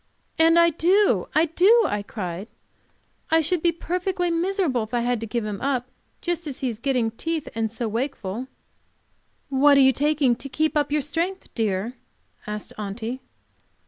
"And so I do," I cried. "I should be perfectly miserable if I had to give him up just as he is getting teeth, and so wakeful." "What are you taking to keep up your strength, dear?" asked Aunty.